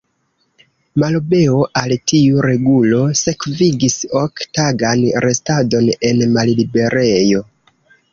Malobeo al tiu regulo sekvigis ok-tagan restadon en malliberejo.